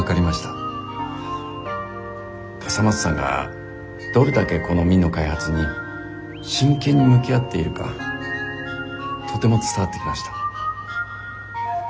笠松さんがどれだけこの「Ｍｉｎ」の開発に真剣に向き合っているかとても伝わってきました。